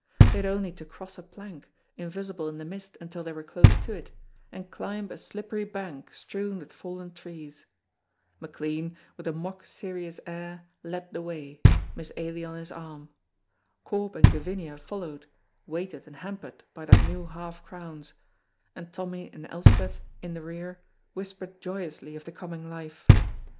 They had only to cross a plank, invisible in the mist until they were close to it, and climb a slippery bank strewn with fallen trees. McLean, with a mock serious air, led the way, Miss Ailie on his arm. Corp and Gavinia followed, weighted and hampered by their new half crowns, and Tommy and Elspeth, in the rear, whispered joyously of the coming life.